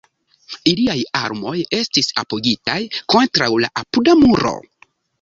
Iliaj armoj estis apogitaj kontraŭ la apuda muro.